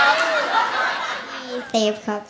ชื่อเซฟครับ